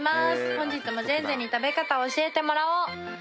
本日もジェンジェンに食べ方を教えてもらおう！」